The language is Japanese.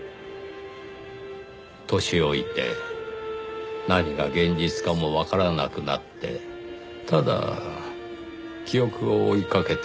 年老いて何が現実かもわからなくなってただ記憶を追いかけていた。